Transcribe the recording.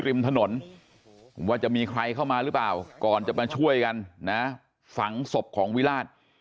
ริมถนนว่าจะมีใครเข้ามาหรือเปล่าก่อนจะมาช่วยกันนะฝังศพของวิราช